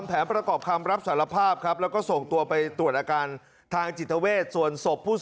แล้วทั้งหมด๒คนเข้าไปจับเนอะ